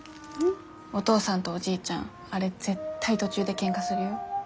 お父さんとおじいちゃんあれ絶対途中でけんかするよ？